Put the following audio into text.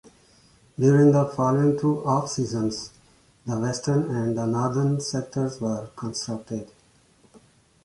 During the following two off-seasons, the Western and the Northern sectors were constructed.